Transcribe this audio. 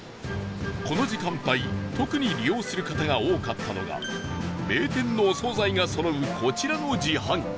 この時間帯特に利用する方が多かったのが名店のお総菜がそろうこちらの自販機